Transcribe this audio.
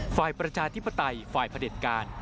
ฝ่ายประชาธิปไตยฝ่ายประเด็นการ